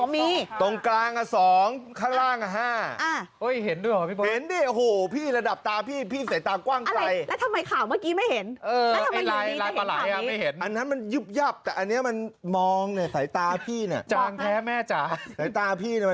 มีอะไรนะ๒๕ตัวกลางกับตัวล่างใช่ปะ